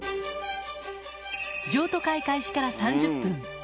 譲渡会開始から３０分。